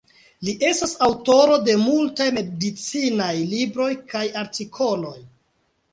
Li estas aŭtoro de multaj medicinaj libroj kaj artikoloj.